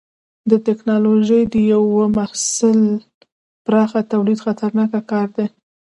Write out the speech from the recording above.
د ټېکنالوجۍ د یوه محصول پراخه تولید خطرناک کار دی.